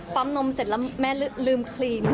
นมเสร็จแล้วแม่ลืมครีม